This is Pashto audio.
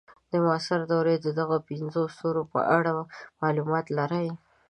د معاصرې دورې د دغو پنځو ستورو په اړه معلومات لرئ.